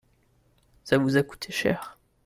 ça vous a coûté cher.